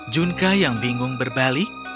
junkka yang bingung berbalik